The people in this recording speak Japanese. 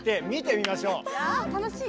や楽しい！